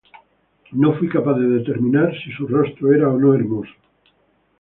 No fui capaz de determinar si su rostro era o no hermoso.